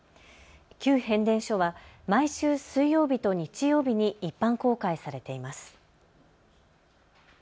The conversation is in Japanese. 旧変電所は毎週水曜日と日曜日に一般公開されています。